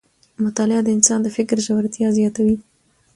مطالعه د انسان د فکر ژورتیا زیاتوي